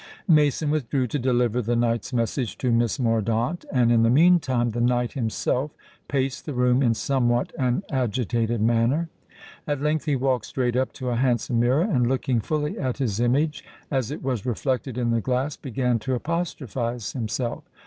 Mason withdrew to deliver the knight's message to Miss Mordaunt; and in the meantime the knight himself paced the room in somewhat an agitated manner. At length he walked straight up to a handsome mirror, and looking fully at his image as it was reflected in the glass, began to apostrophise himself.